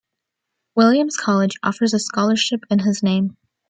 Williams College offers a scholarship in his name.